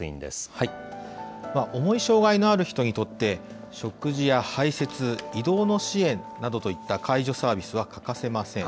重い障害のある人にとって、食事や排せつ、移動の支援などといった介助サービスは欠かせません。